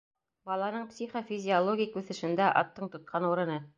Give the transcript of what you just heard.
Баланың психо-физиологик үҫешендә аттың тотҡан урыны